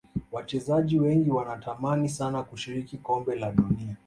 Wachezaji wengi wanatamani sana kushiriki kombe la dunia